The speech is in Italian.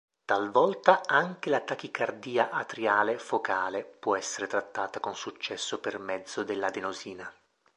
Talvolta anche la tachicardia atriale focale può essere trattata con successo per mezzo dell'adenosina.